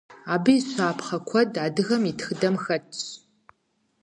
Абы и щапхъэ куэд адыгэм и тхыдэм хэтщ.